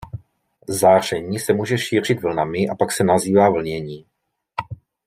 Záření se může šířit vlnami a pak se nazývá "vlnění".